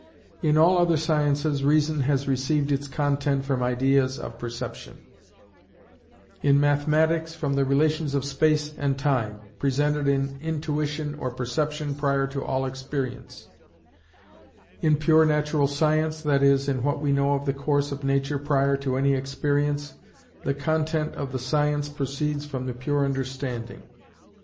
In all other sciences reason has received its content from ideas of perception; in mathematics from the relations of space and time, presented in intuition or perception prior to all experience; in pure natural science, that is, in what we know of the course of nature prior to any experience, the content of the science proceeds from the pure understanding, _i.e.